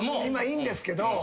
今いいんですけど。